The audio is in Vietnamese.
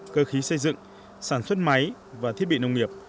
cơ khí xây dựng sản xuất máy và thiết bị nông nghiệp